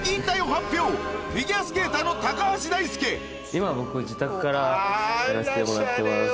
今僕自宅からやらせてもらってます。